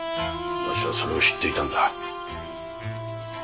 わしはそれを知っていたんだ。